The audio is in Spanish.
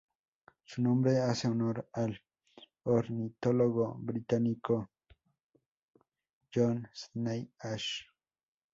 Su nombre hace honor al ornitólogo británico John Sidney Ash.